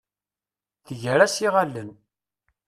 Tger-as iɣallen.